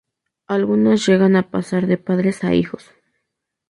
Algunas llegan a pasar de padres a hijos.